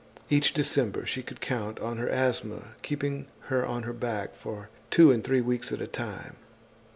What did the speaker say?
Each December she could count on her asthma keeping her on her back for two and three weeks at a time.